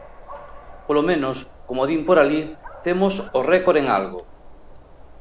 Polo menos, como din por alí, "temos o récord en algo".